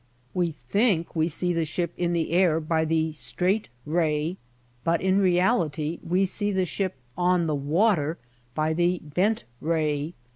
We think we see the ship in the air by the straight ray, but in reality we see the ship on the water by the bent ray.